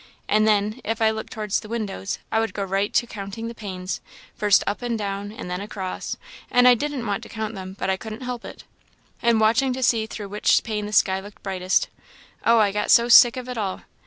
And then, if I looked towards the windows, I would go right to counting the panes, first up and down, and then across and I didn't want to count them, but I couldn't help it; and watching to see through which pane the sky looked brightest. Oh! I got so sick of it all!